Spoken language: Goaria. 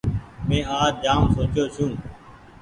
مين آج جآم سوچيو ڇون ۔